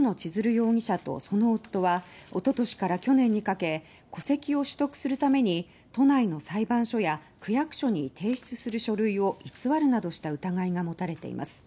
容疑者とその夫は一昨年から去年にかけ戸籍を取得するために都内の裁判所や区役所に提出する書類を偽るなどした疑いが持たれています。